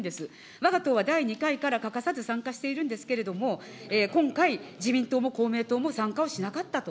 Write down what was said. わが党は第２回から欠かさず参加しているんですけれども、今回、自民党も公明党も参加をしなかったと。